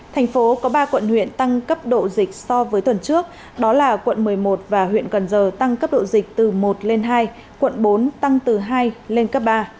thành phố có ba quận huyện tăng cấp độ dịch so với tuần trước đó là quận một mươi một và huyện cần giờ tăng cấp độ dịch từ một lên hai quận bốn tăng từ hai lên cấp ba